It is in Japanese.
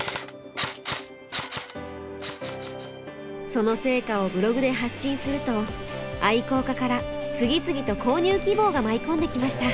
その成果をブログで発信すると愛好家から次々と購入希望が舞い込んできました。